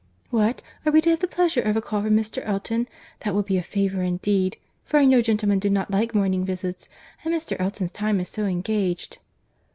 "What! are we to have the pleasure of a call from Mr. Elton?—That will be a favour indeed! for I know gentlemen do not like morning visits, and Mr. Elton's time is so engaged."